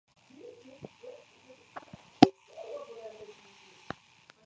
El tratamiento es sintomático y de apoyo.